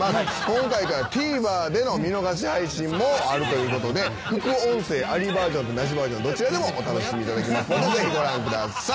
今回からＴＶｅｒでの見逃し配信もあるということで副音声ありバージョンとなしバージョンどちらでもお楽しみいただけますのでぜひご覧ください。